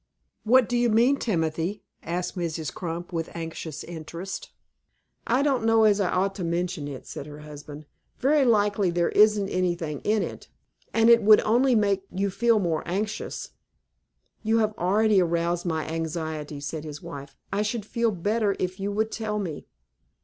"What do you mean, Timothy?" asked Mrs. Crump, with anxious interest. "I don't know as I ought to mention it," said her husband. "Very likely there isn't anything in it, and it would only make you feel more anxious." "You have already aroused my anxiety," said his wife. "I should feel better if you would tell me."